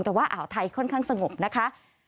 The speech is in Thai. แต่ว่าอ่าวไทยค่อนข้างสงบนะคะ